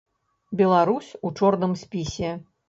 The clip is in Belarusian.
Беларусь у чорным спісе!